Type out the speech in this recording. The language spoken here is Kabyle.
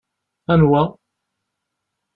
Anwa?